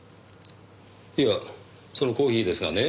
いやそのコーヒーですがね